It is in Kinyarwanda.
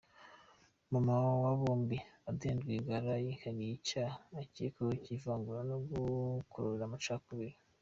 Mama wa bo bombi, Adeline Rwigara, yihariye icyaha akekwaho cy’ivangura no gukurura amacakubiri”.